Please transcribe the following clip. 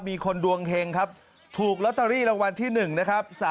มีคนดวงเฮงครับถูกลอตเตอรี่รางวัลที่๑นะครับ